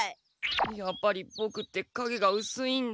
やっぱりボクってかげがうすいんだ。